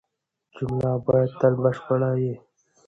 جمله باید تل بشپړه يي.